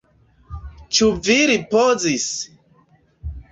Ĉu vi ripozis?